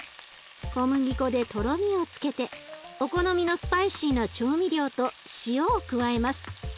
小麦粉でとろみをつけてお好みのスパイシーな調味料と塩を加えます。